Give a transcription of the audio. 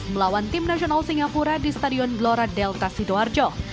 melawan tim nasional singapura di stadion glora delta sidoarjo